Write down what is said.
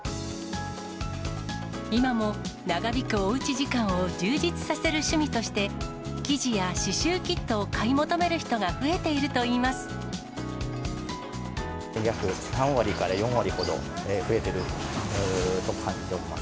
今も、長引くおうち時間を充実させる趣味として、生地や刺しゅうキットを買い求める人が増えているといいます。